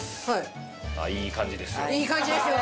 いい感じですよ。